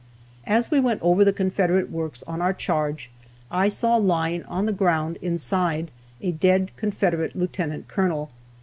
As we went over the Confederate works on our charge, I saw lying on the ground, inside, a dead Confederate lieutenant colonel.